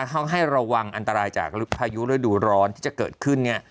ให้ระวังอันตรายจากพายุฤดูร้อนที่จะเกิดขึ้นเนี่ย